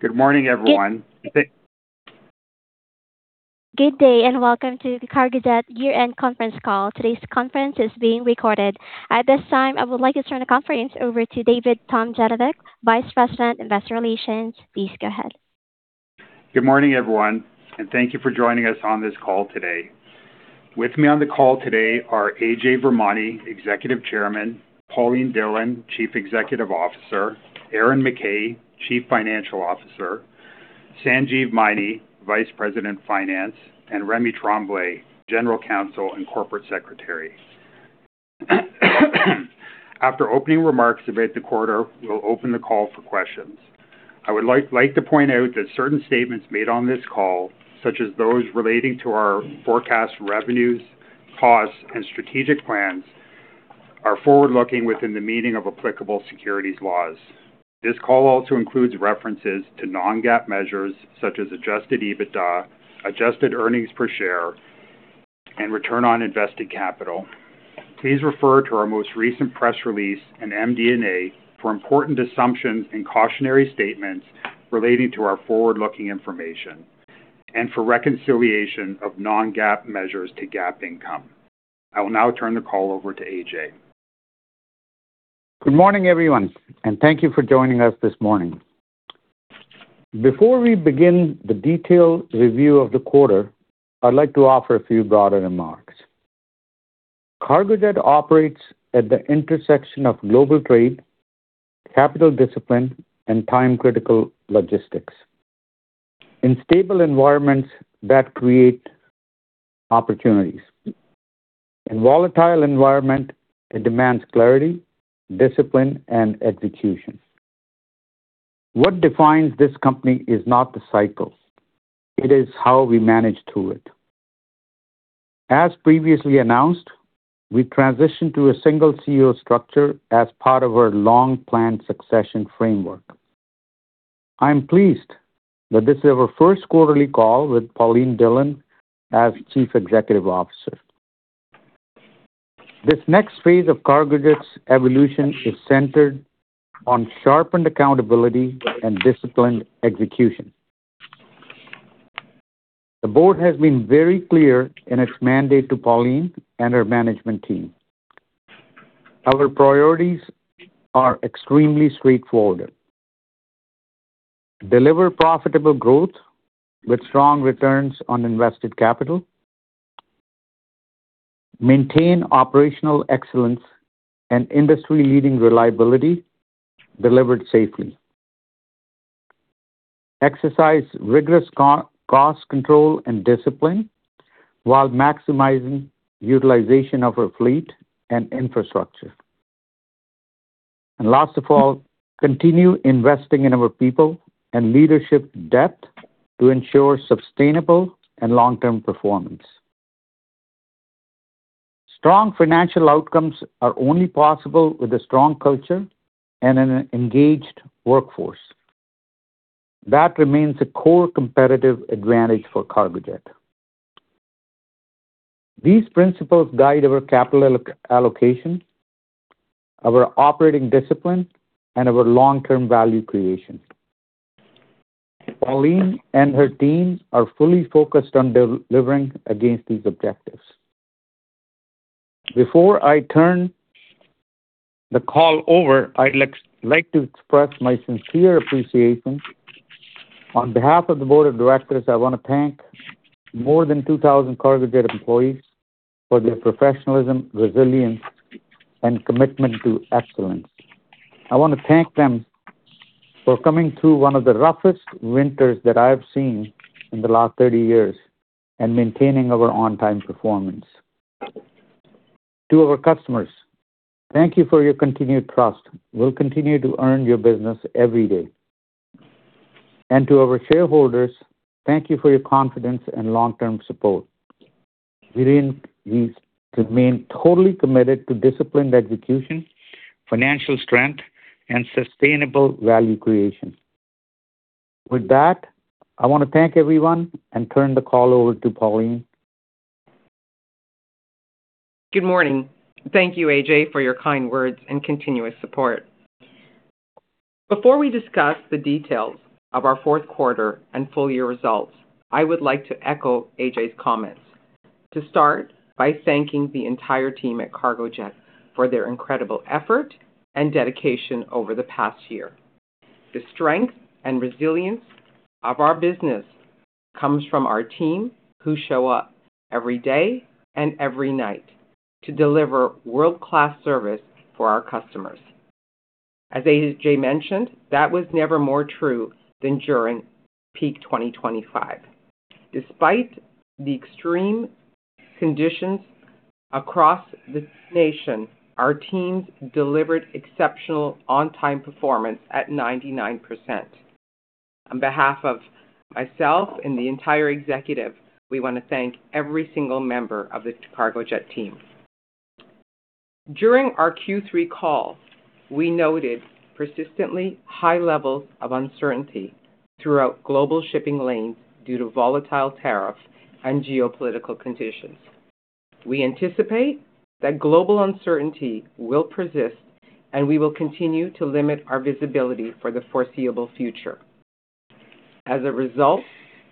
Good morning, everyone. Good day, and welcome to the Cargojet Year-End Conference Call. Today's conference is being recorded. At this time, I would like to turn the conference over to David Tomljenovic, Vice President, Investor Relations. Please go ahead. Good morning, everyone, and thank you for joining us on this call today. With me on the call today are AJ Virmani, Executive Chairman; Pauline Dhillon, Chief Executive Officer; Aaron McKay, Chief Financial Officer; Sanjeev Maini, Vice President, Finance; and Rémi Tremblay, General Counsel and Corporate Secretary. After opening remarks about the quarter, we'll open the call for questions. I would like to point out that certain statements made on this call, such as those relating to our forecast revenues, costs, and strategic plans, are forward-looking within the meaning of applicable securities laws. This call also includes references to non-GAAP measures such as adjusted EBITDA, adjusted earnings per share, and return on invested capital. Please refer to our most recent press release and MD&A for important assumptions and cautionary statements relating to our forward-looking information and for reconciliation of non-GAAP measures to GAAP income. I will now turn the call over to AJ. Good morning, everyone, thank you for joining us this morning. Before we begin the detailed review of the quarter, I'd like to offer a few broader remarks. Cargojet operates at the intersection of global trade, capital discipline, and time-critical logistics. In stable environments that create opportunities. In volatile environment, it demands clarity, discipline, and execution. What defines this company is not the cycle, it is how we manage through it. As previously announced, we transitioned to a single CEO structure as part of our long-planned succession framework. I'm pleased that this is our first quarterly call with Pauline Dhillon as Chief Executive Officer. This next phase of Cargojet's evolution is centered on sharpened accountability and disciplined execution. The board has been very clear in its mandate to Pauline and her management team. Our priorities are extremely straightforward: deliver profitable growth with strong returns on invested capital, maintain operational excellence and industry-leading reliability delivered safely, exercise rigorous cost control and discipline while maximizing utilization of our fleet and infrastructure, and last of all, continue investing in our people and leadership depth to ensure sustainable and long-term performance. Strong financial outcomes are only possible with a strong culture and an engaged workforce. That remains a core competitive advantage for Cargojet. These principles guide our capital allocation, our operating discipline, and our long-term value creation. Pauline and her team are fully focused on delivering against these objectives. Before I turn the call over, I'd like to express my sincere appreciation. On behalf of the board of directors, I want to thank more than 2,000 Cargojet employees for their professionalism, resilience, and commitment to excellence. I want to thank them for coming through one of the roughest winters that I have seen in the last 30 years and maintaining our on-time performance. To our customers, thank you for your continued trust. We'll continue to earn your business every day. To our shareholders, thank you for your confidence and long-term support. We remain totally committed to disciplined execution, financial strength, and sustainable value creation. With that, I want to thank everyone and turn the call over to Pauline. Good morning. Thank you, AJ, for your kind words and continuous support. Before we discuss the details of our fourth quarter and full-year results, I would like to echo AJ's comments. To start by thanking the entire team at Cargojet for their incredible effort and dedication over the past year. The strength and resilience of our business comes from our team, who show up every day and every night to deliver world-class service for our customers. As AJ mentioned, that was never more true than during peak 2025. Despite the extreme conditions across the nation, our teams delivered exceptional on-time performance at 99%. On behalf of myself and the entire executive, we want to thank every single member of the Cargojet team. During our Q3 call, we noted persistently high levels of uncertainty throughout global shipping lanes due to volatile tariffs and geopolitical conditions.... We anticipate that global uncertainty will persist, and we will continue to limit our visibility for the foreseeable future. As a result,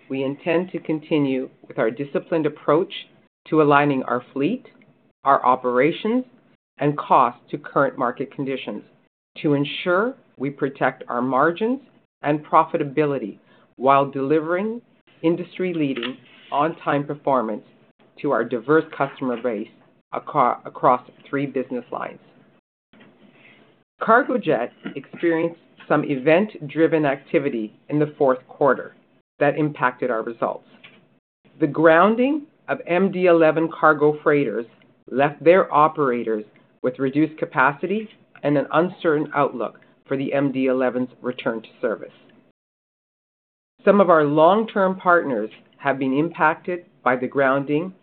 we intend to continue with our disciplined approach to aligning our fleet, our operations, and costs to current market conditions to ensure we protect our margins and profitability while delivering industry-leading on-time performance to our diverse customer base across three business lines. Cargojet experienced some event-driven activity in the fourth quarter that impacted our results. The grounding of MD-11 cargo freighters left their operators with reduced capacity and an uncertain outlook for the MD-11's return to service. Some of our long-term partners have been impacted by the grounding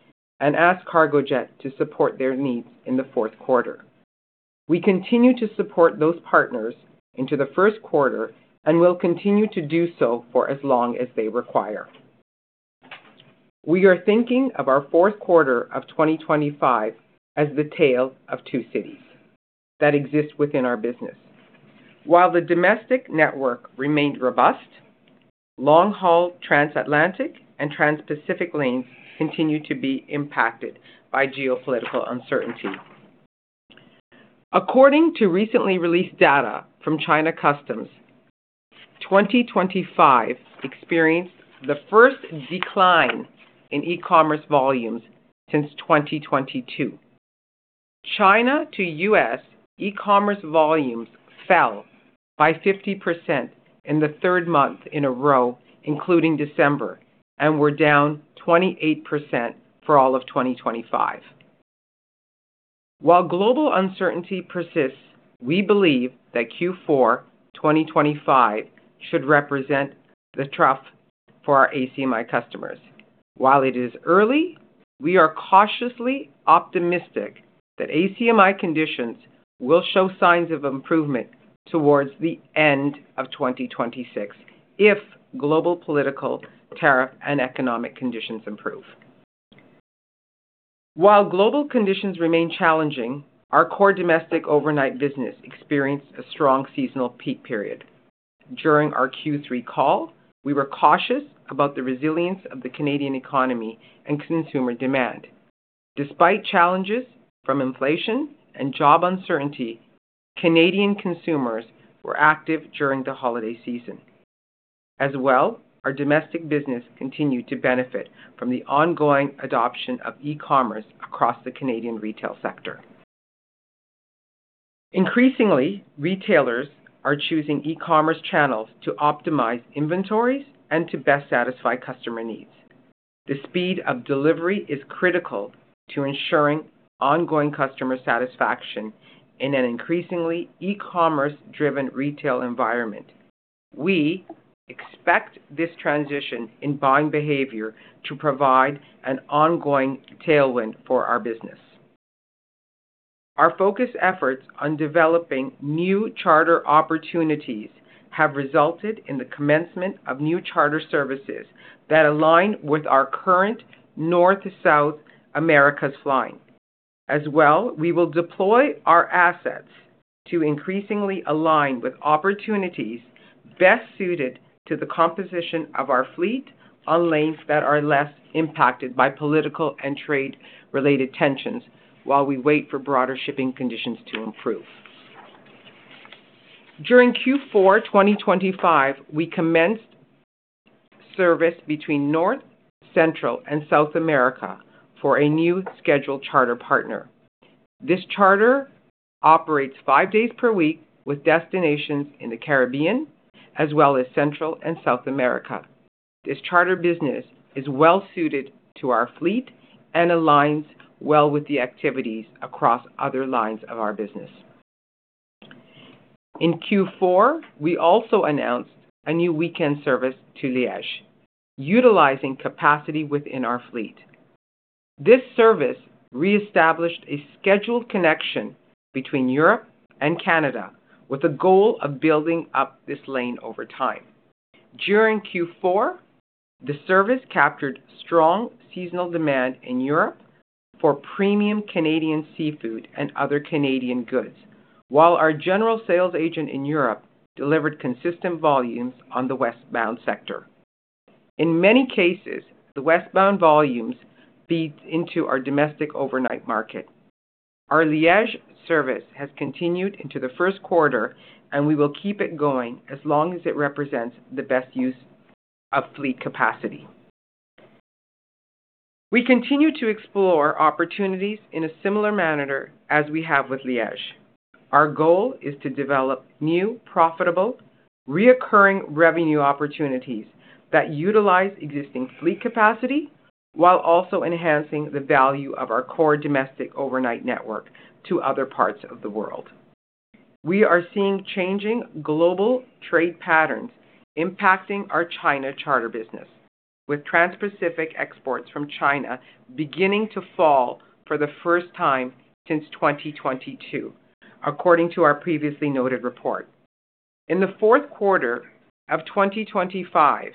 and asked Cargojet to support their needs in the fourth quarter. We continue to support those partners into the first quarter and will continue to do so for as long as they require. We are thinking of our fourth quarter of 2025 as the tale of two cities that exist within our business. While the domestic network remained robust, long-haul transatlantic and transpacific lanes continued to be impacted by geopolitical uncertainty. According to recently released data from China Customs, 2025 experienced the first decline in e-commerce volumes since 2022. China to US e-commerce volumes fell by 50% in the third month in a row, including December, and were down 28% for all of 2025. While global uncertainty persists, we believe that Q4, 2025 should represent the trough for our ACMI customers. While it is early, we are cautiously optimistic that ACMI conditions will show signs of improvement towards the end of 2026 if global political, tariff, and economic conditions improve. While global conditions remain challenging, our core domestic overnight business experienced a strong seasonal peak period. During our Q3 call, we were cautious about the resilience of the Canadian economy and consumer demand. Despite challenges from inflation and job uncertainty, Canadian consumers were active during the holiday season. As well, our domestic business continued to benefit from the ongoing adoption of e-commerce across the Canadian retail sector. Increasingly, retailers are choosing e-commerce channels to optimize inventories and to best satisfy customer needs. The speed of delivery is critical to ensuring ongoing customer satisfaction in an increasingly e-commerce-driven retail environment. We expect this transition in buying behavior to provide an ongoing tailwind for our business. Our focus efforts on developing new charter opportunities have resulted in the commencement of new charter services that align with our current North to South Americas line. We will deploy our assets to increasingly align with opportunities best suited to the composition of our fleet on lanes that are less impacted by political and trade-related tensions while we wait for broader shipping conditions to improve. During Q4, 2025, we commenced service between North, Central, and South America for a new scheduled charter partner. This charter operates five days per week with destinations in the Caribbean as well as Central and South America. This charter business is well suited to our fleet and aligns well with the activities across other lines of our business. In Q4, we also announced a new weekend service to Liege, utilizing capacity within our fleet. This service reestablished a scheduled connection between Europe and Canada with the goal of building up this lane over time. During Q4, the service captured strong seasonal demand in Europe for premium Canadian seafood and other Canadian goods, while our general sales agent in Europe delivered consistent volumes on the westbound sector. In many cases, the westbound volumes feed into our domestic overnight market. Our Liege service has continued into the first quarter, and we will keep it going as long as it represents the best use of fleet capacity. We continue to explore opportunities in a similar manner as we have with Liege. Our goal is to develop new, profitable, recurring revenue opportunities that utilize existing fleet capacity while also enhancing the value of our core domestic overnight network to other parts of the world. We are seeing changing global trade patterns impacting our China charter business, with transpacific exports from China beginning to fall for the first time since 2022, according to our previously noted report. In the fourth quarter of 2025,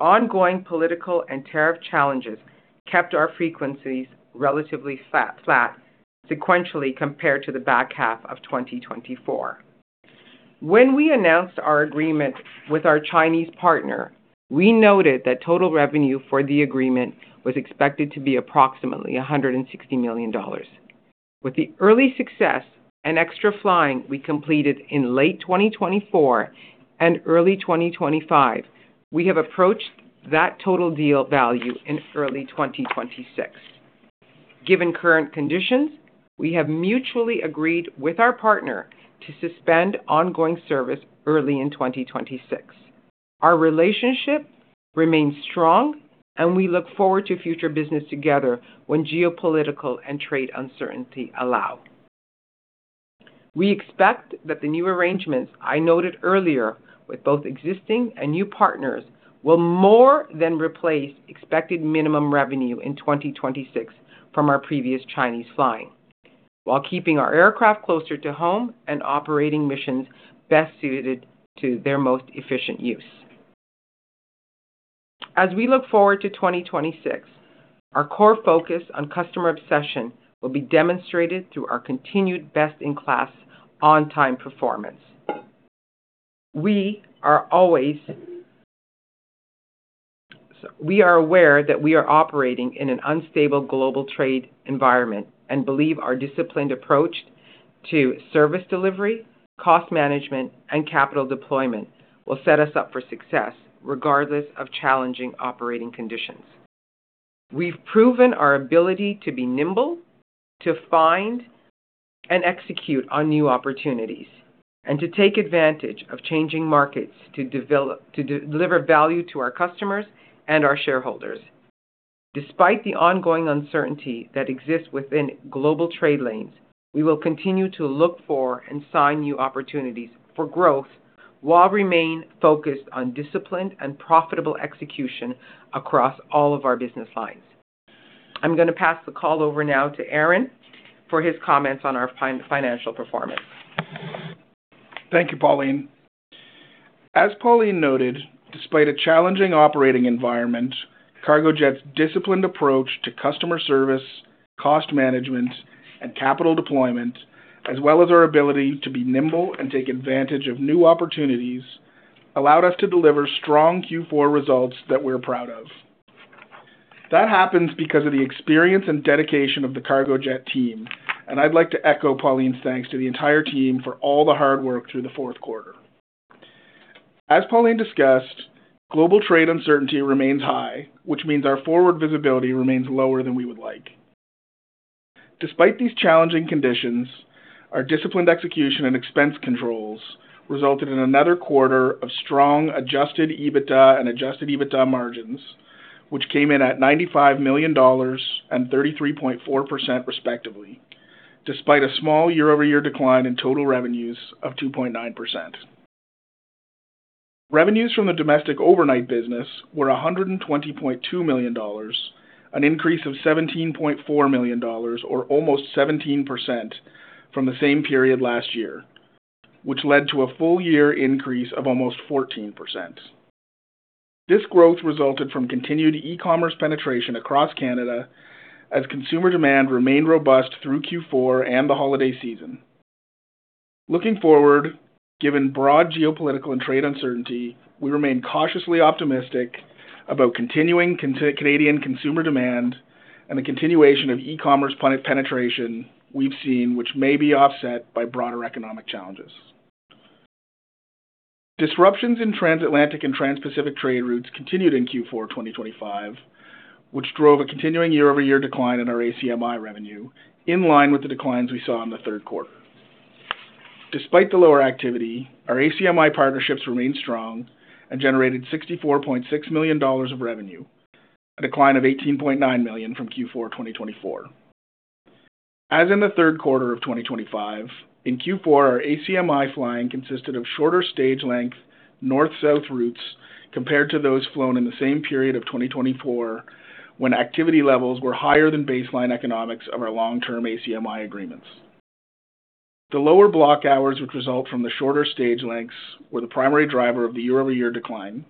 ongoing political and tariff challenges kept our frequencies relatively flat sequentially compared to the back half of 2024. When we announced our agreement with our Chinese partner, we noted that total revenue for the agreement was expected to be approximately 160 million dollars. With the early success and extra flying we completed in late 2024 and early 2025, we have approached that total deal value in early 2026. Given current conditions, we have mutually agreed with our partner to suspend ongoing service early in 2026. Our relationship remains strong and we look forward to future business together when geopolitical and trade uncertainty allow. We expect that the new arrangements I noted earlier with both existing and new partners will more than replace expected minimum revenue in 2026 from our previous Chinese flying, while keeping our aircraft closer to home and operating missions best suited to their most efficient use. As we look forward to 2026, our core focus on customer obsession will be demonstrated through our continued best-in-class on-time performance. We are aware that we are operating in an unstable global trade environment and believe our disciplined approach to service delivery, cost management, and capital deployment will set us up for success regardless of challenging operating conditions. We've proven our ability to be nimble, to find and execute on new opportunities, and to deliver value to our customers and our shareholders. Despite the ongoing uncertainty that exists within global trade lanes, we will continue to look for and sign new opportunities for growth while remain focused on disciplined and profitable execution across all of our business lines. I'm going to pass the call over now to Aaron for his comments on our financial performance. Thank you, Pauline. As Pauline noted, despite a challenging operating environment, Cargojet's disciplined approach to customer service, cost management, and capital deployment, as well as our ability to be nimble and take advantage of new opportunities, allowed us to deliver strong Q4 results that we're proud of. That happens because of the experience and dedication of the Cargojet team. I'd like to echo Pauline's thanks to the entire team for all the hard work through the fourth quarter. As Pauline discussed, global trade uncertainty remains high, which means our forward visibility remains lower than we would like. Despite these challenging conditions, our disciplined execution and expense controls resulted in another quarter of strong adjusted EBITDA and adjusted EBITDA margins, which came in at $95 million and 33.4%, respectively, despite a small year-over-year decline in total revenues of 2.9%. Revenues from the domestic overnight business were 120.2 million dollars, an increase of 17.4 million dollars, or almost 17% from the same period last year, which led to a full year increase of almost 14%. This growth resulted from continued e-commerce penetration across Canada as consumer demand remained robust through Q4 and the holiday season. Looking forward, given broad geopolitical and trade uncertainty, we remain cautiously optimistic about continuing Canadian consumer demand and the continuation of e-commerce penetration we've seen, which may be offset by broader economic challenges. Disruptions in transatlantic and transpacific trade routes continued in Q4 of 2025, which drove a continuing year-over-year decline in our ACMI revenue, in line with the declines we saw in the third quarter. Despite the lower activity, our ACMI partnerships remained strong and generated 64.6 million dollars of revenue, a decline of 18.9 million from Q4 2024. As in the third quarter of 2025, in Q4, our ACMI flying consisted of shorter stage length, north-south routes compared to those flown in the same period of 2024, when activity levels were higher than baseline economics of our long-term ACMI agreements. The lower block hours, which result from the shorter stage lengths, were the primary driver of the year-over-year decline.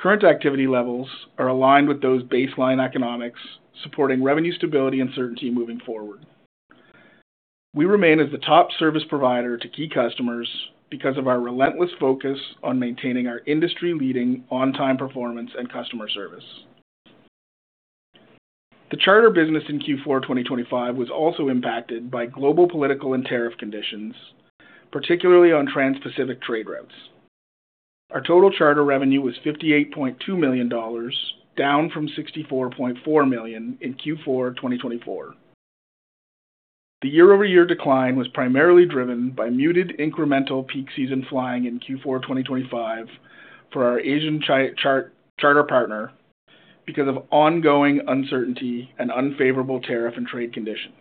Current activity levels are aligned with those baseline economics, supporting revenue stability and certainty moving forward. We remain as the top service provider to key customers because of our relentless focus on maintaining our industry-leading on-time performance and customer service. The charter business in Q4 of 2025 was also impacted by global political and tariff conditions, particularly on transpacific trade routes. Our total charter revenue was 58.2 million dollars, down from 64.4 million in Q4 of 2024. The year-over-year decline was primarily driven by muted incremental peak season flying in Q4 of 2025 for our Asian charter partner because of ongoing uncertainty and unfavorable tariff and trade conditions.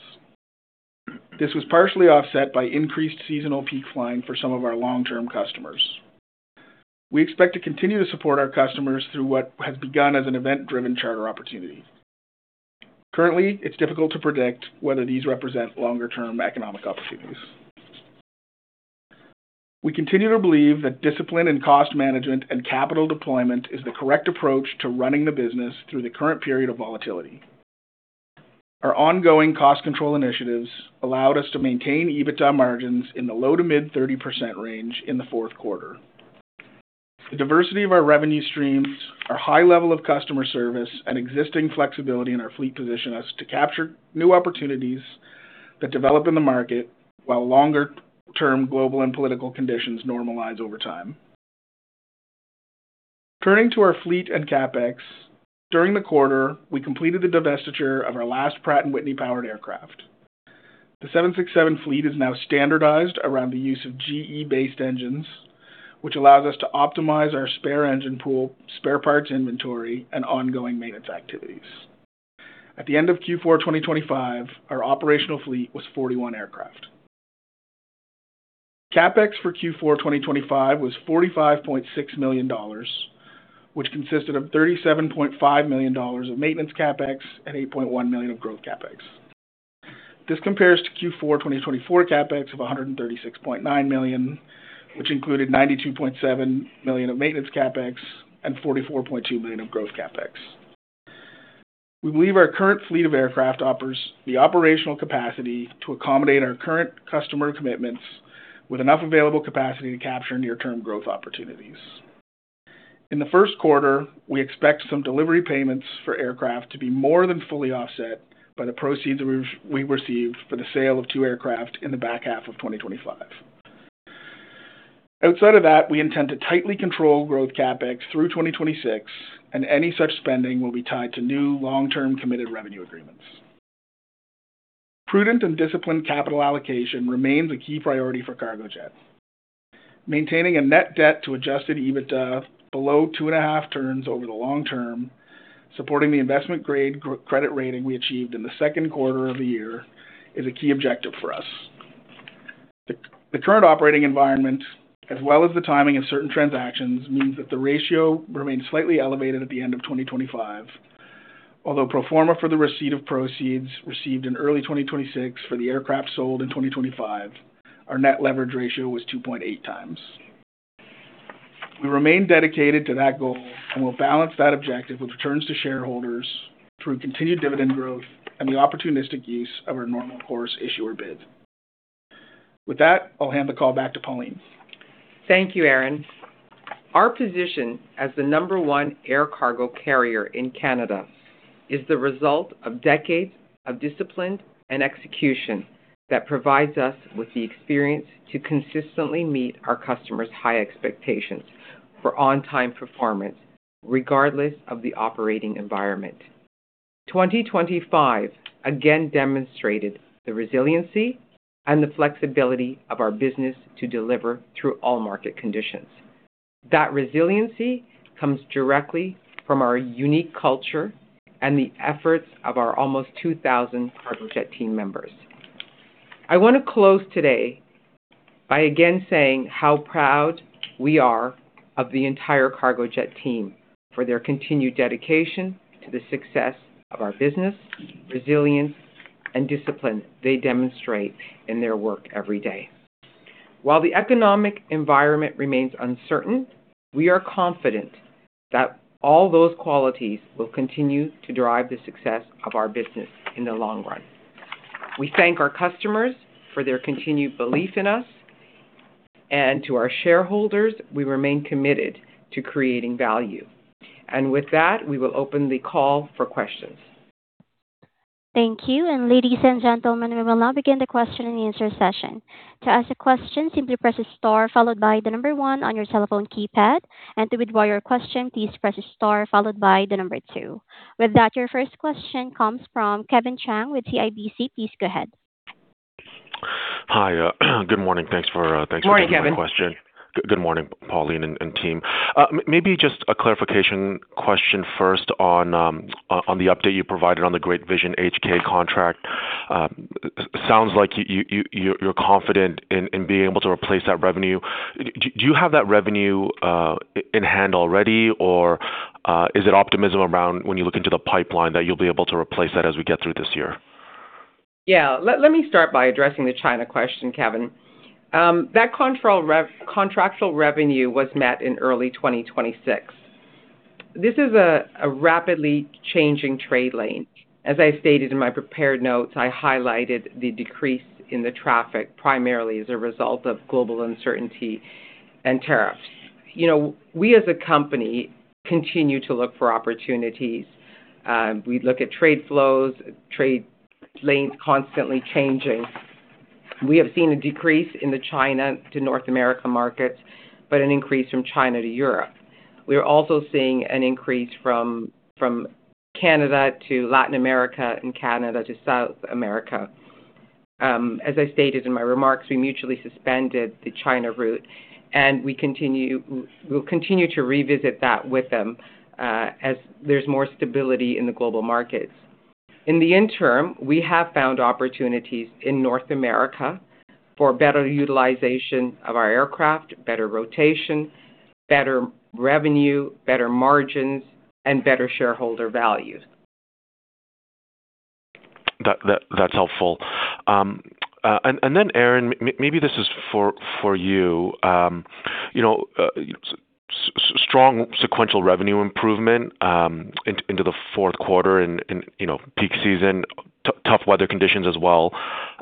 This was partially offset by increased seasonal peak flying for some of our long-term customers. We expect to continue to support our customers through what has begun as an event-driven charter opportunity. Currently, it's difficult to predict whether these represent longer-term economic opportunities. We continue to believe that discipline and cost management and capital deployment is the correct approach to running the business through the current period of volatility. Our ongoing cost control initiatives allowed us to maintain EBITDA margins in the low to mid 30% range in the 4th quarter. The diversity of our revenue streams, our high level of customer service, and existing flexibility in our fleet position us to capture new opportunities that develop in the market, while longer-term global and political conditions normalize over time. Turning to our fleet and CapEx. During the quarter, we completed the divestiture of our last Pratt & Whitney powered aircraft. The 767 fleet is now standardized around the use of GE-based engines, which allows us to optimize our spare engine pool, spare parts inventory, and ongoing maintenance activities. At the end of Q4 2025, our operational fleet was 41 aircraft. CapEx for Q4 2025 was $45.6 million, which consisted of $37.5 million of maintenance CapEx and $8.1 million of growth CapEx. This compares to Q4 2024 CapEx of $136.9 million, which included $92.7 million of maintenance CapEx and $44.2 million of growth CapEx. We believe our current fleet of aircraft offers the operational capacity to accommodate our current customer commitments, with enough available capacity to capture near-term growth opportunities. In the first quarter, we expect some delivery payments for aircraft to be more than fully offset by the proceeds we received for the sale of two aircraft in the back half of 2025. Outside of that, we intend to tightly control growth CapEx through 2026. Any such spending will be tied to new long-term committed revenue agreements. Prudent and disciplined capital allocation remains a key priority for Cargojet. Maintaining a net debt to adjusted EBITDA below 2.5 turns over the long term, supporting the investment-grade credit rating we achieved in the 2nd quarter of the year, is a key objective for us. The current operating environment, as well as the timing of certain transactions, means that the ratio remains slightly elevated at the end of 2025. Pro forma for the receipt of proceeds received in early 2026 for the aircraft sold in 2025, our net leverage ratio was 2.8 times. We remain dedicated to that goal and will balance that objective with returns to shareholders through continued dividend growth and the opportunistic use of our normal course issuer bid. With that, I'll hand the call back to Pauline. Thank you, Aaron. Our position as the number one air cargo carrier in Canada is the result of decades of discipline and execution that provides us with the experience to consistently meet our customers' high expectations for on-time performance, regardless of the operating environment. 2025 again demonstrated the resiliency and the flexibility of our business to deliver through all market conditions. That resiliency comes directly from our unique culture and the efforts of our almost 2,000 Cargojet team members. I want to close today by again saying how proud we are of the entire Cargojet team for their continued dedication to the success of our business, resilience, and discipline they demonstrate in their work every day. While the economic environment remains uncertain, we are confident that all those qualities will continue to drive the success of our business in the long run. We thank our customers for their continued belief in us, and to our shareholders, we remain committed to creating value. With that, we will open the call for questions. Thank you. Ladies and gentlemen, we will now begin the question and answer session. To ask a question, simply press star followed by the number one on your telephone keypad, to withdraw your question, please press star followed by the number two. With that, your first question comes from Kevin Chiang with CIBC. Please go ahead. Hi, good morning. Thanks for. Good morning, Kevin. Thanks for the question. Good morning, Pauline and team. maybe just a clarification question first on the update you provided on the Great Vision HK contract. sounds like you're confident in being able to replace that revenue. Do you have that revenue in hand already, or is it optimism around when you look into the pipeline that you'll be able to replace that as we get through this year? Yeah, let me start by addressing the China question, Kevin. That contractual revenue was met in early 2026. This is a rapidly changing trade lane. As I stated in my prepared notes, I highlighted the decrease in the traffic primarily as a result of global uncertainty and tariffs. You know, we, as a company, continue to look for opportunities. We look at trade flows, trade lanes constantly changing. We have seen a decrease in the China to North America markets, but an increase from China to Europe. We are also seeing an increase from Canada to Latin America and Canada to South America. As I stated in my remarks, we mutually suspended the China route, and we'll continue to revisit that with them as there's more stability in the global markets. In the interim, we have found opportunities in North America for better utilization of our aircraft, better rotation.... better revenue, better margins, and better shareholder value. That's helpful. Then, Aaron, maybe this is for you. You know, strong sequential revenue improvement into the fourth quarter in, you know, peak season, tough weather conditions as well.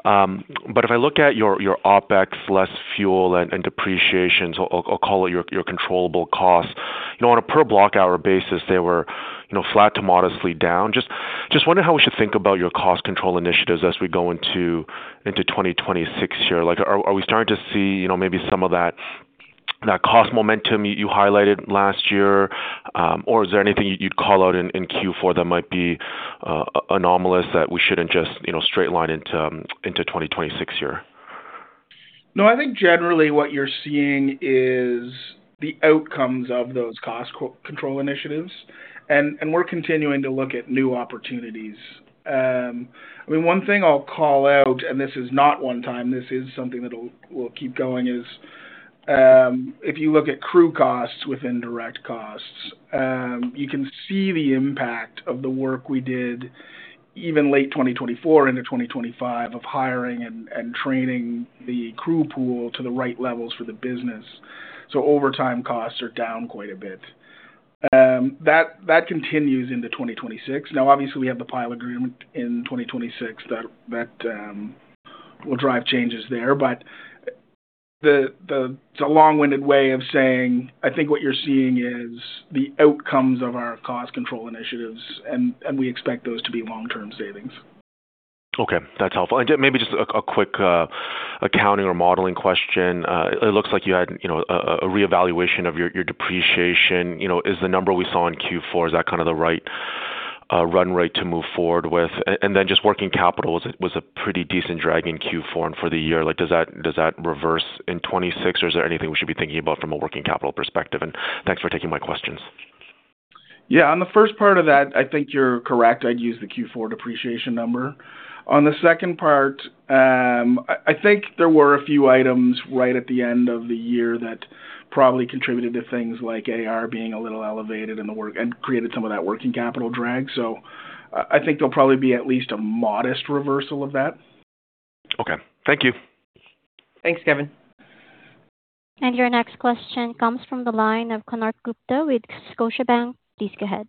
If I look at your OpEx, less fuel and depreciation, so I'll call it your controllable costs. You know, on a per block hour basis, they were, you know, flat to modestly down. Just wondering how we should think about your cost control initiatives as we go into 2026 here. Like, are we starting to see, you know, maybe some of that cost momentum you highlighted last year? Is there anything you'd call out in Q4 that might be anomalous, that we shouldn't just, you know, straight line into 2026 year? No, I think generally what you're seeing is the outcomes of those cost co-control initiatives, and we're continuing to look at new opportunities. I mean, one thing I'll call out, and this is not one time, this is something that'll keep going, if you look at crew costs with indirect costs, you can see the impact of the work we did even late 2024 into 2025, of hiring and training the crew pool to the right levels for the business. Overtime costs are down quite a bit. That continues into 2026. Obviously, we have the pilot agreement in 2026, that will drive changes there. It's a long-winded way of saying, I think what you're seeing is the outcomes of our cost control initiatives, and we expect those to be long-term savings. Okay, that's helpful. Maybe just a quick accounting or modeling question. It looks like you had, you know, a reevaluation of your depreciation. You know, is the number we saw in Q4, is that kind of the right run rate to move forward with? And then just working capital was a pretty decent drag in Q4 and for the year. Like, does that reverse in 2026, or is there anything we should be thinking about from a working capital perspective? Thanks for taking my questions. On the first part of that, I think you're correct. I'd use the Q4 depreciation number. I think there were a few items right at the end of the year that probably contributed to things like AR being a little elevated in the work and created some of that working capital drag. I think there'll probably be at least a modest reversal of that. Okay. Thank you. Thanks, Kevin. Your next question comes from the line of Konark Gupta with Scotiabank. Please go ahead.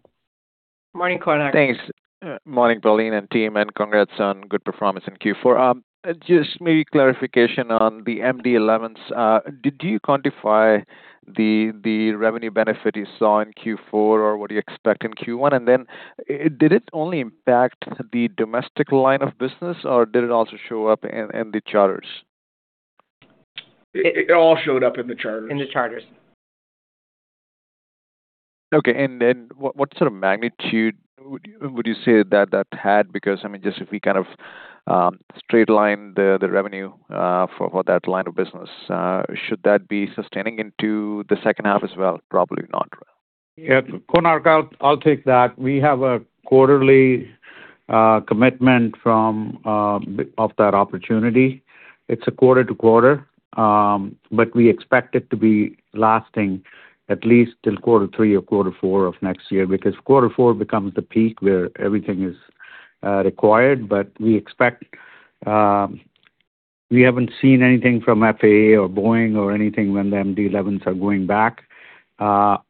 Morning, Konark. Thanks. Morning, Pauline and team, congrats on good performance in Q4. Just maybe clarification on the MD-11s. Did you quantify the revenue benefit you saw in Q4, or what do you expect in Q1? Did it only impact the domestic line of business, or did it also show up in the charters? It all showed up in the charters. In the charters. Okay, what sort of magnitude would you say that had? I mean, just if we kind of straight line the revenue for that line of business, should that be sustaining into the second half as well? Probably not. Yeah, Konark, I'll take that. We have a quarterly commitment from of that opportunity. It's a quarter to quarter, but we expect it to be lasting at least till quarter 3 or quarter 4 of next year, because quarter 4 becomes the peak where everything is required. We expect, we haven't seen anything from FAA or Boeing or anything when the MD-11s are going back,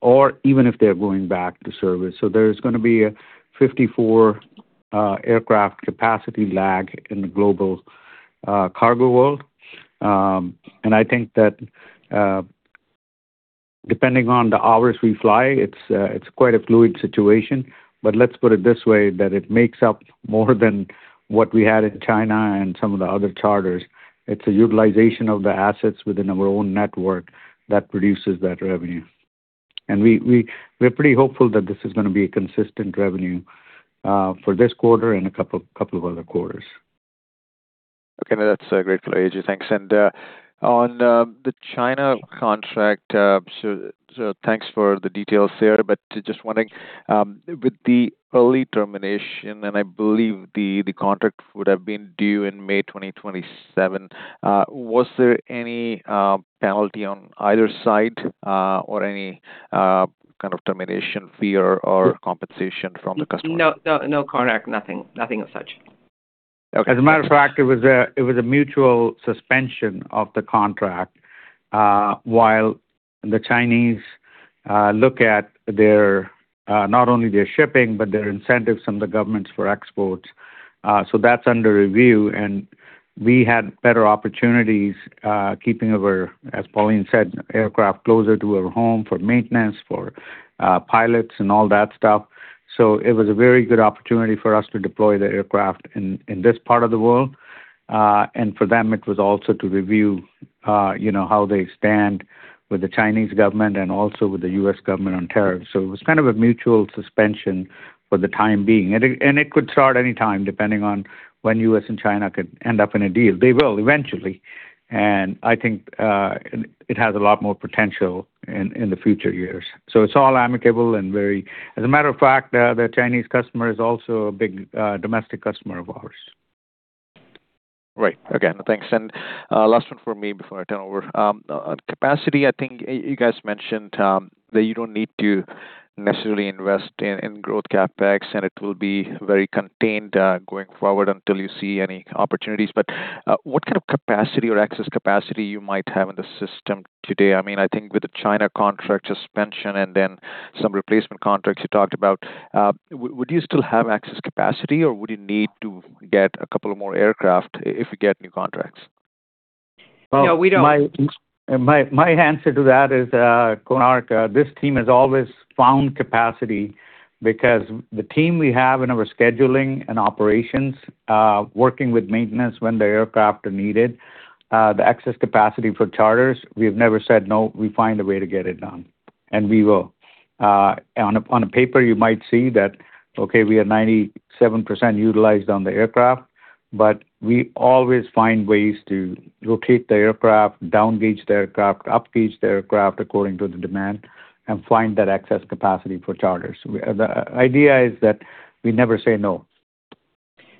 or even if they're going back to service. There's gonna be a 54 aircraft capacity lag in the global cargo world. I think that depending on the hours we fly, it's quite a fluid situation. Let's put it this way, that it makes up more than what we had in China and some of the other charters. It's a utilization of the assets within our own network that produces that revenue. We're pretty hopeful that this is gonna be a consistent revenue for this quarter and a couple of other quarters. Okay, that's a great clarity. Thanks. On the China contract, so thanks for the details there, but just wondering, with the early termination, and I believe the contract would have been due in May 2027, was there any penalty on either side, or any kind of termination fee or compensation from the customer? No, no Konark, nothing as such. Okay. As a matter of fact, it was a mutual suspension of the contract, while the Chinese look at their not only their shipping, but their incentives from the governments for exports. That's under review, and we had better opportunities, keeping our, as Pauline said, aircraft closer to our home for maintenance, for pilots and all that stuff. It was a very good opportunity for us to deploy the aircraft in this part of the world. For them, it was also to review, you know, how they stand with the Chinese government and also with the US government on tariffs. It was kind of a mutual suspension for the time being. It could start anytime, depending on when US and China could end up in a deal. They will, eventually. I think it has a lot more potential in the future years. It's all amicable and very. As a matter of fact, the Chinese customer is also a big, domestic customer of ours. Right. Okay, thanks. Last one for me before I turn over. Capacity, I think you guys mentioned that you don't need to necessarily invest in growth CapEx, and it will be very contained going forward until you see any opportunities. What kind of capacity or excess capacity you might have in the system today? I mean, I think with the China contract suspension and then some replacement contracts you talked about, would you still have excess capacity, or would you need to get a couple of more aircraft if you get new contracts? No, we don't. My answer to that is, Konark, this team has always found capacity because the team we have in our scheduling and operations, working with maintenance when the aircraft are needed, the excess capacity for charters, we've never said, "No." We find a way to get it done, and we will. On a paper you might see that, okay, we are 97% utilized on the aircraft, but we always find ways to rotate the aircraft, down-gauge the aircraft, up-gauge the aircraft according to the demand, and find that excess capacity for charters. The idea is that we never say no.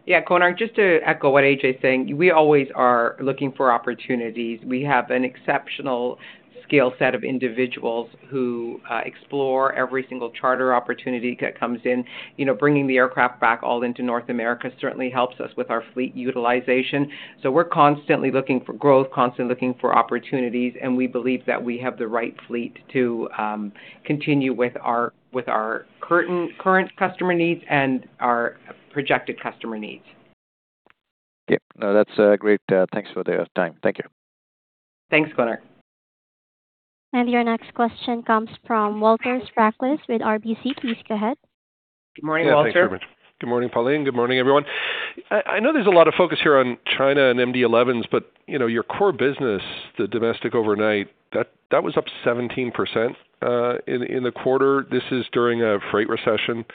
Konark, just to echo what AJ's saying, we always are looking for opportunities. We have an exceptional skill set of individuals who explore every single charter opportunity that comes in. You know, bringing the aircraft back all into North America certainly helps us with our fleet utilization. We're constantly looking for growth, constantly looking for opportunities, and we believe that we have the right fleet to continue with our current customer needs and our projected customer needs. Okay. No, that's great. Thanks for the time. Thank you. Thanks, Konark. Your next question comes from Walter Spracklin with RBC. Please go ahead. Good morning, Walter. Good morning, Pauline. Good morning, everyone. I know there's a lot of focus here on China and MD-11s, but, you know, your core business, the domestic overnight, that was up 17% in the quarter. This is during a freight recession.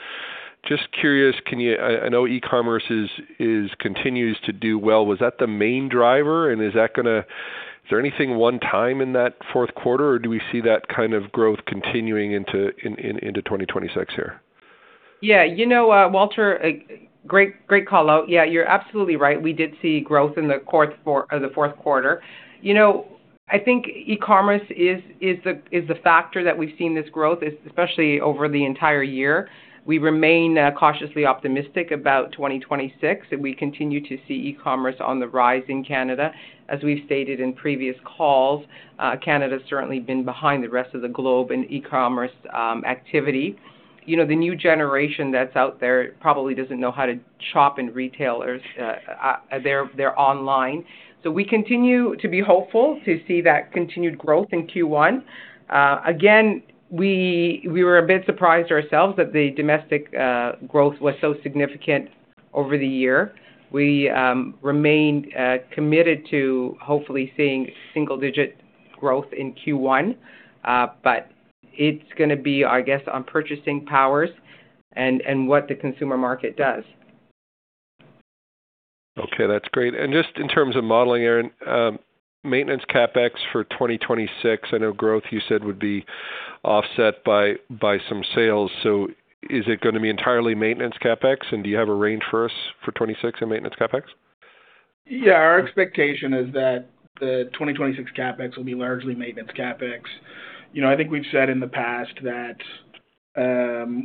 Just curious, can you? I know e-commerce is continues to do well. Was that the main driver, and is that is there anything one time in that fourth quarter, or do we see that kind of growth continuing into 2026 here? Yeah. You know, Walter, great call out. Yeah, you're absolutely right. We did see growth in the fourth quarter. You know, I think e-commerce is the factor that we've seen this growth, especially over the entire year. We remain cautiously optimistic about 2026, and we continue to see e-commerce on the rise in Canada. As we've stated in previous calls, Canada's certainly been behind the rest of the globe in e-commerce activity. You know, the new generation that's out there probably doesn't know how to shop in retailers. They're online. We continue to be hopeful to see that continued growth in Q1. Again, we were a bit surprised ourselves that the domestic growth was so significant over the year. We remained committed to hopefully seeing single-digit growth in Q1, but it's gonna be, I guess, on purchasing powers and what the consumer market does. Okay, that's great. Just in terms of modeling, Aaron, maintenance CapEx for 2026, I know growth, you said, would be offset by some sales. Is it gonna be entirely maintenance CapEx, and do you have a range for us for 2026 in maintenance CapEx? Yeah. Our expectation is that the 2026 CapEx will be largely maintenance CapEx. You know, I think we've said in the past that,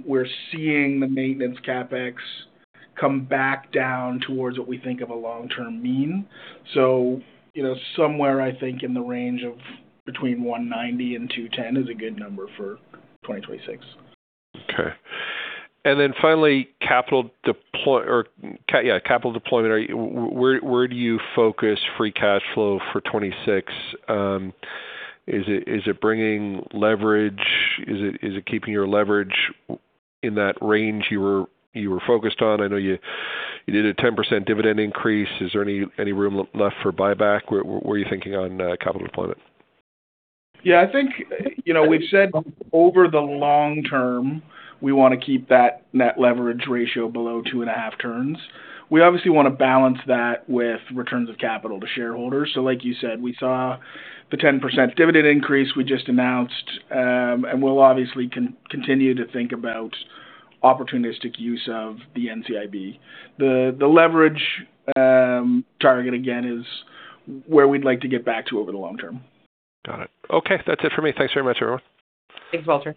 we're seeing the maintenance CapEx come back down towards what we think of a long-term mean. You know, somewhere, I think, in the range of between 190 million and 210 million is a good number for 2026. Okay. Finally, capital deployment, are you? Where do you focus free cash flow for 26? Is it bringing leverage? Is it keeping your leverage in that range you were focused on? I know you did a 10% dividend increase. Is there any room left for buyback? Where are you thinking on capital deployment? Yeah, I think, you know, we've said over the long term, we wanna keep that net leverage ratio below 2.5 turns. We obviously wanna balance that with returns of capital to shareholders. Like you said, we saw the 10% dividend increase we just announced, and we'll obviously continue to think about opportunistic use of the NCIB. The leverage target again, is where we'd like to get back to over the long term. Got it. Okay, that's it for me. Thanks very much, everyone. Thanks, Walter.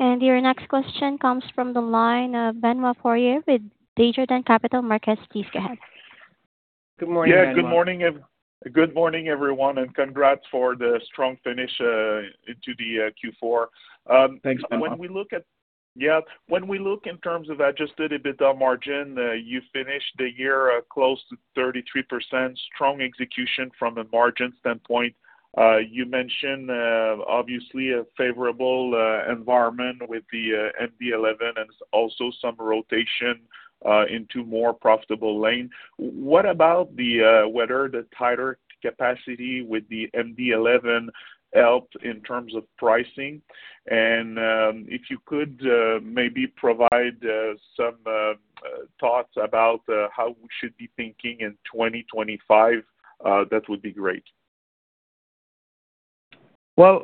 Your next question comes from the line of Benoit Poirier with Desjardins Capital Markets. Please go ahead. Good morning, Benoit. Yeah, good morning, everyone, congrats for the strong finish, into the Q4. Thanks, Benoit. When we look in terms of adjusted EBITDA margin, you finished the year close to 33%. Strong execution from a margin standpoint. You mentioned, obviously, a favorable environment with the MD-11 and also some rotation into more profitable lane. What about the whether the tighter capacity with the MD-11 helped in terms of pricing? If you could maybe provide some thoughts about how we should be thinking in 2025, that would be great. Well,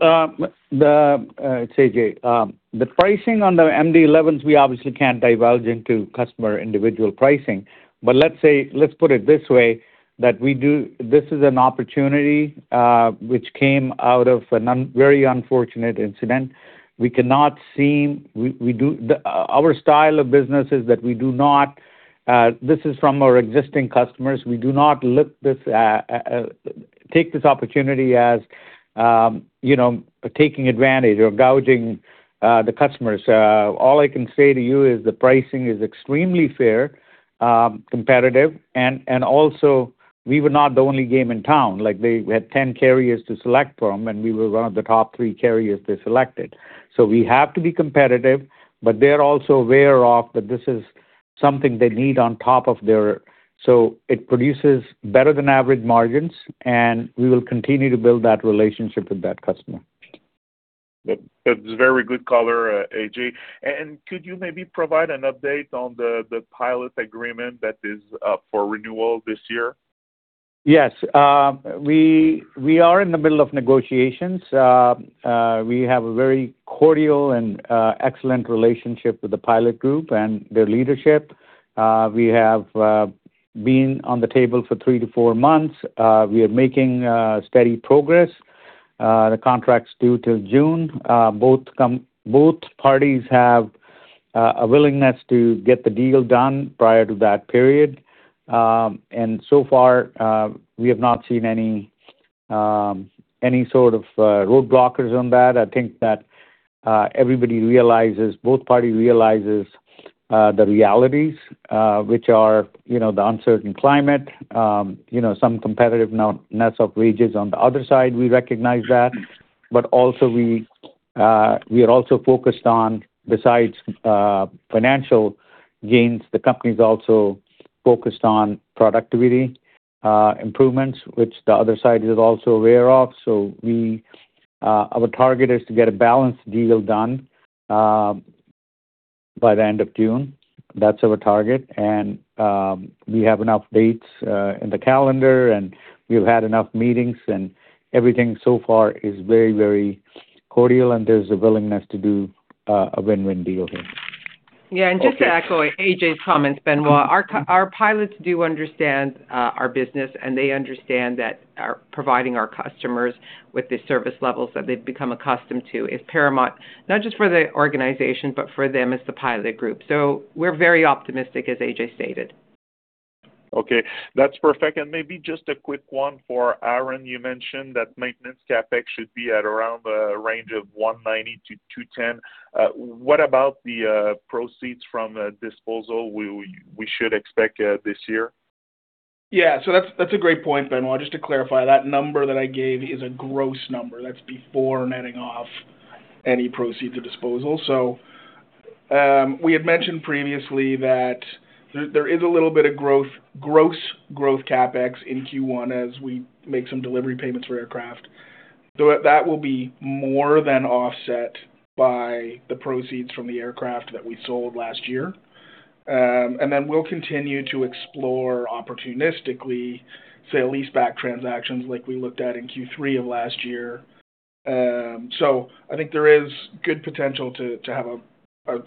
it's Ajay, the pricing on the MD-11s, we obviously can't divulge into customer individual pricing. Let's say, let's put it this way, that we do, this is an opportunity which came out of a very unfortunate incident. We do, our style of business is that we do not, this is from our existing customers. We do not look this, take this opportunity as, you know, taking advantage or gouging the customers. All I can say to you is the pricing is extremely fair, competitive, and also, we were not the only game in town. Like, they had 10 carriers to select from, and we were one of the top three carriers they selected. We have to be competitive, but they're also aware of that this is something they need on top of their. It produces better than average margins, and we will continue to build that relationship with that customer. That's a very good color, Ajay. Could you maybe provide an update on the pilot agreement that is up for renewal this year? Yes. We are in the middle of negotiations. We have a very cordial and excellent relationship with the pilot group and their leadership. We have been on the table for 3-4 months. We are making steady progress. The contract's due till June. Both parties have a willingness to get the deal done prior to that period. So far, we have not seen any sort of road blockers on that. I think that everybody realizes, both parties realizes, the realities, which are, you know, the uncertain climate, you know, some competitiveness of wages on the other side. We recognize that. Also we are also focused on, besides financial gains, the company is also focused on productivity improvements, which the other side is also aware of. We our target is to get a balanced deal done by the end of June. That's our target. We have enough dates in the calendar, and we've had enough meetings, and everything so far is very, very cordial, and there's a willingness to do a win-win deal here. Yeah, just to echo Ajay's comments, Benoit, our pilots do understand our business, and they understand that our providing our customers with the service levels that they've become accustomed to is paramount, not just for the organization, but for them as the pilot group. We're very optimistic, as Ajay stated. Okay, that's perfect. Maybe just a quick one for Aaron. You mentioned that maintenance CapEx should be at around the range of 190-210. What about the proceeds from disposal we should expect this year? That's a great point, Benoit. Just to clarify, that number that I gave is a gross number. That's before netting off any proceeds of disposal. We had mentioned previously that there is a little bit of gross growth CapEx in Q1 as we make some delivery payments for aircraft. That will be more than offset by the proceeds from the aircraft that we sold last year. Then we'll continue to explore opportunistically, say, sale-leaseback transactions like we looked at in Q3 of last year. I think there is good potential to have a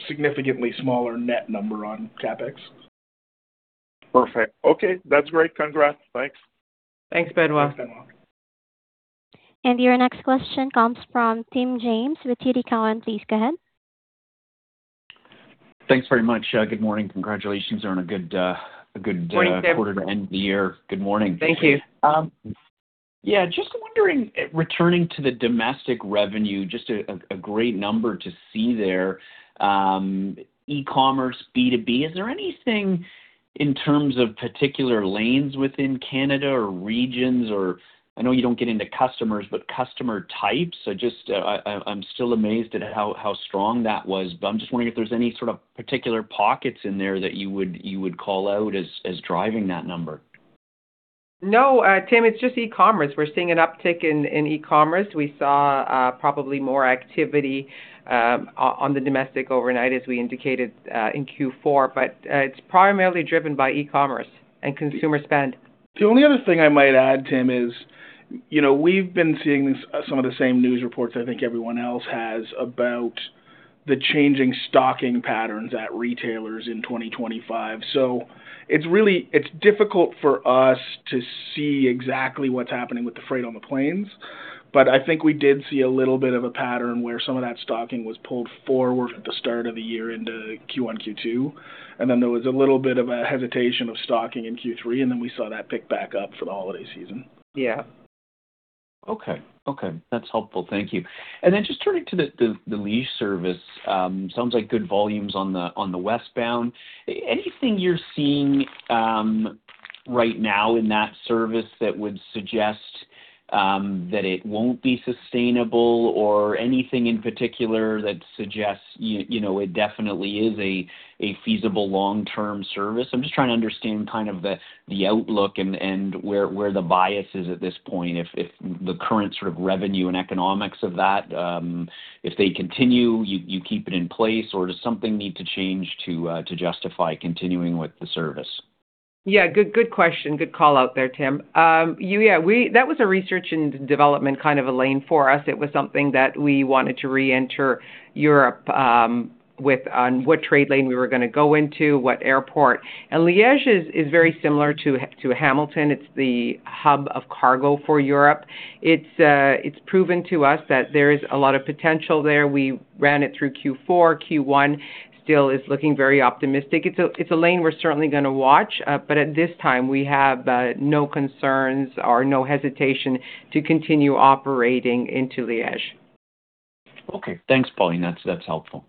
significantly smaller net number on CapEx. Perfect. Okay, that's great. Congrats. Thanks. Thanks, Benoit. Thanks, Benoit. Your next question comes from Tim James with TD Cowen. Please go ahead. Thanks very much. Good morning. Congratulations on a good. Good morning, Tim. quarter to end the year. Good morning. Thank you. Yeah, just wondering, returning to the domestic revenue, just a great number to see there, e-commerce, B2B. Is there anything in terms of particular lanes within Canada or regions or I know you don't get into customers, but customer types? Just, I'm still amazed at how strong that was, but I'm just wondering if there's any sort of particular pockets in there that you would call out as driving that number. No, Tim, it's just e-commerce. We're seeing an uptick in e-commerce. We saw probably more activity on the domestic overnight, as we indicated in Q4, but it's primarily driven by e-commerce and consumer spend. The only other thing I might add, Tim, is, you know, we've been seeing this, some of the same news reports I think everyone else has, about the changing stocking patterns at retailers in 2025. It's difficult for us to see exactly what's happening with the freight on the planes, but I think we did see a little bit of a pattern where some of that stocking was pulled forward at the start of the year into Q1, Q2, and then there was a little bit of a hesitation of stocking in Q3, and then we saw that pick back up for the holiday season. Yeah. Okay. Okay, that's helpful. Thank you. Then just turning to the lease service, sounds like good volumes on the, on the westbound. Anything you're seeing right now in that service that would suggest that it won't be sustainable or anything in particular that suggests, you know, it definitely is a feasible long-term service? I'm just trying to understand kind of the outlook and where the bias is at this point, if the current sort of revenue and economics of that, if they continue, you keep it in place, or does something need to change to justify continuing with the service? Yeah, good question. Good call out there, Tim. Yeah, that was a research and development kind of a lane for us. It was something that we wanted to reenter Europe, with, on what trade lane we were going to go into, what airport. Liege is very similar to Hamilton. It's the hub of cargo for Europe. It's, it's proven to us that there is a lot of potential there. We ran it through Q4. Q1 still is looking very optimistic. It's a, it's a lane we're certainly going to watch, but at this time, we have no concerns or no hesitation to continue operating into Liege. Okay. Thanks, Pauline. That's helpful.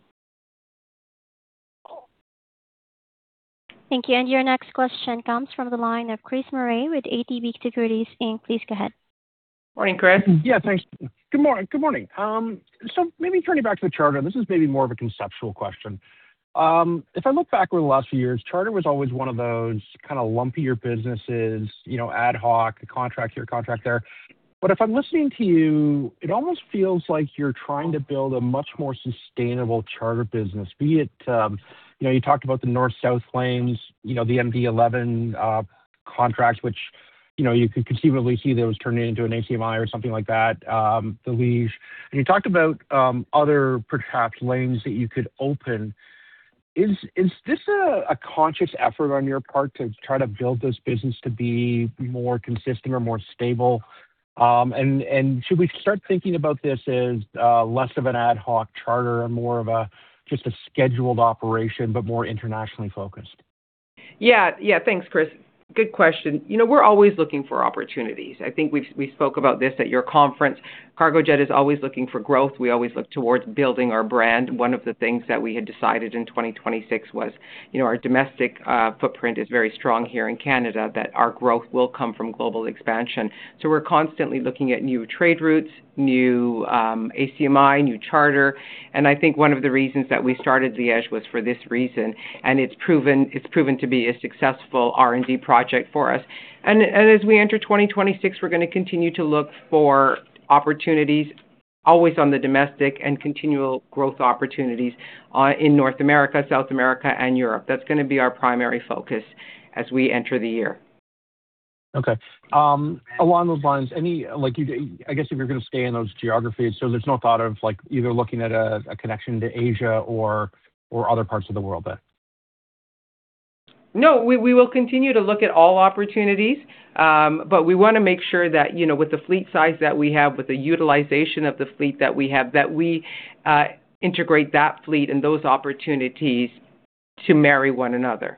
Thank you. Your next question comes from the line of Chris Murray with ATB Securities Inc. Please go ahead. Morning, Chris. Yeah, thanks. Good morning, good morning. Maybe turning back to the charter, this is maybe more of a conceptual question. If I look back over the last few years, charter was always one of those kind of lumpier businesses, you know, ad hoc, a contract here, a contract there. If I'm listening to you, it almost feels like you're trying to build a much more sustainable charter business. Be it, you know, you talked about the North-South lanes, you know, the MD-11 contracts, which, you know, you could conceivably see those turning into an ACMI or something like that, the Liège. You talked about other perhaps lanes that you could open. Is this a conscious effort on your part to try to build this business to be more consistent or more stable? Should we start thinking about this as less of an ad hoc charter and more of a just a scheduled operation, but more internationally focused? Yeah. Thanks, Chris. Good question. You know, we're always looking for opportunities. I think we spoke about this at your conference. Cargojet is always looking for growth. We always look towards building our brand. One of the things that we had decided in 2026 was, you know, our domestic footprint is very strong here in Canada, that our growth will come from global expansion. We're constantly looking at new trade routes, new ACMI, new charter, and I think one of the reasons that we started Liege was for this reason, and it's proven to be a successful R&D project for us. As we enter 2026, we're going to continue to look for opportunities always on the domestic and continual growth opportunities in North America, South America, and Europe.That's going to be our primary focus as we enter the year. Okay. Along those lines, any, I guess if you're going to stay in those geographies, there's no thought of, like, either looking at a connection to Asia or other parts of the world then? No, we will continue to look at all opportunities, we want to make sure that, you know, with the fleet size that we have, with the utilization of the fleet that we have, that we integrate that fleet and those opportunities to marry one another.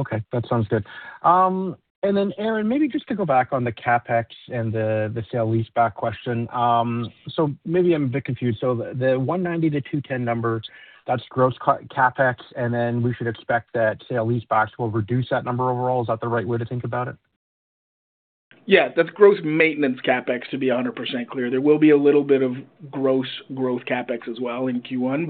Okay, that sounds good. Aaron, maybe just to go back on the CapEx and the sale leaseback question. Maybe I'm a bit confused. The 190-210 number, that's gross CapEx, and then we should expect that sale leasebacks will reduce that number overall. Is that the right way to think about it? Yeah. That's gross maintenance CapEx, to be 100% clear. There will be a little bit of gross growth CapEx as well in Q1.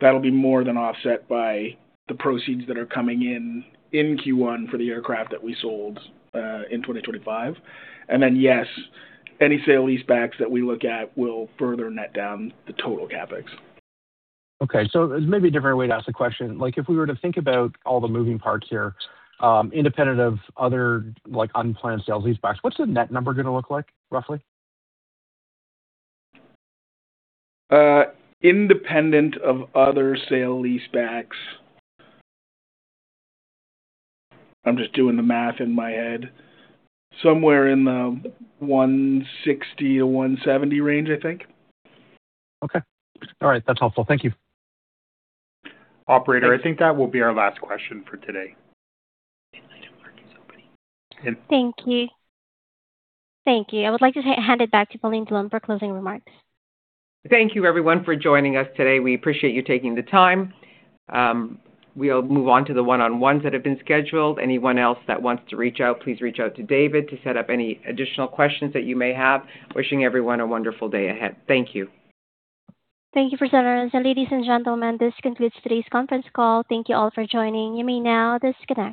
That'll be more than offset by the proceeds that are coming in in Q1 for the aircraft that we sold in 2025. Yes, any sale-leasebacks that we look at will further net down the total CapEx. This may be a different way to ask the question. Like, if we were to think about all the moving parts here, independent of other, like, unplanned sales leasebacks, what's the net number going to look like, roughly? Independent of other sale-leasebacks. I'm just doing the math in my head. Somewhere in the 160-170 range, I think. Okay. All right. That's helpful. Thank you. Operator, I think that will be our last question for today. Thank you. Thank you. I would like to hand it back to Pauline Dhillon for closing remarks. Thank you, everyone, for joining us today. We appreciate you taking the time. We'll move on to the one-on-ones that have been scheduled. Anyone else that wants to reach out, please reach out to David to set up any additional questions that you may have. Wishing everyone a wonderful day ahead. Thank you. Thank you for center. Ladies and gentlemen, this concludes today's conference call. Thank you all for joining. You may now disconnect.